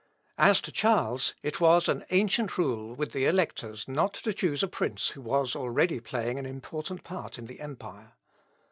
As to Charles, it was an ancient rule with the electors not to choose a prince who was already playing an important part in the empire.